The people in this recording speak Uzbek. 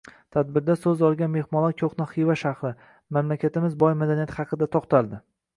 Tadbirda soʻz olgan mehmonlar koʻhna Xiva shahri, mamlakatimiz boy madaniyati haqida toʻxtaldi.